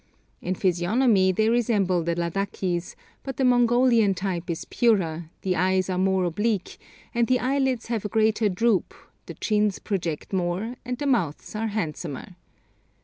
In physiognomy they resemble the Ladakis, but the Mongolian type is purer, the eyes are more oblique, and the eyelids have a greater droop, the chins project more, and the mouths are handsomer.